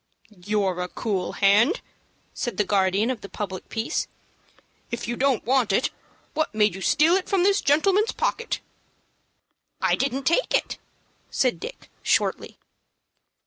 "You're a cool hand," said the guardian of the public peace. "If you don't want it, what made you steal it from this gentleman's pocket?" "I didn't take it," said Dick, shortly.